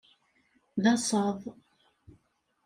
D asaḍ.